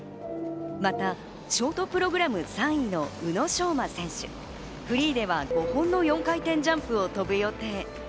またショートプログラム３位の宇野昌磨選手、フリーでは５本の４回転ジャンプを跳ぶ予定。